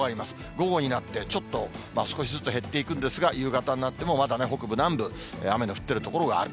午後になってちょっと、少しずつ減っていくんですが、夕方になってもまだね、北部、南部、雨の降っている所がある。